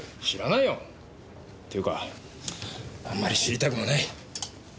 知らないよ！っていうかあんまり知りたくもない。